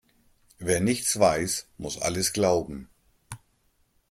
Wer nichts weiß, muss alles glauben.